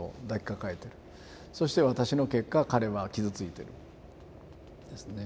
そして私の結果彼は傷ついてるんですね。